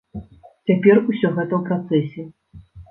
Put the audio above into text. Цяпер усё гэта ў працэсе.